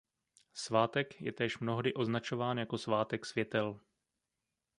Svátek je též mnohdy označován jako Svátek světel.